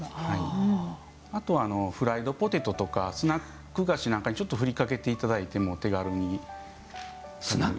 あとは、フライドポテトとかスナック菓子なんかにちょっと振りかけていただいても手軽に。